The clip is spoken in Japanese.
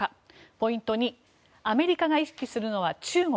ポイント２アメリカが意識するのは中国。